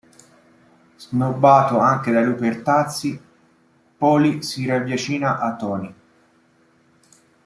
Snobbato anche dai Lupertazzi, Paulie si riavvicina a Tony.